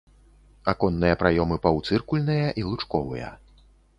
Аконныя праёмы паўцыркульныя і лучковыя.